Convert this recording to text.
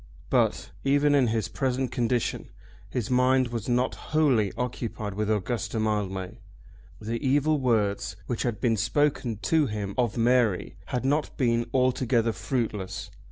But, even in his present condition, his mind was not wholly occupied with Augusta Mildmay. The evil words which had been spoken to him of Mary had not been altogether fruitless.